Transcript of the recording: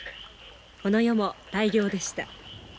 この夜も大漁でした。